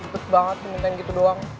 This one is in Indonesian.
terus banget dimintain gitu doang